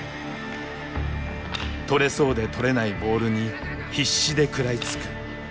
捕れそうで捕れないボールに必死で食らいつく。